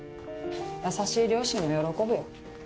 優しい両親も喜ぶよ。